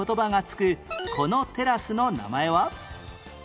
このテラスの名前は？